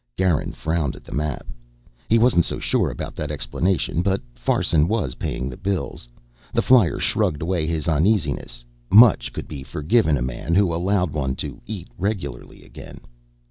Garin frowned at the map. He wasn't so sure about that explanation, but Farson was paying the bills. The flyer shrugged away his uneasiness. Much could be forgiven a man who allowed one to eat regularly again.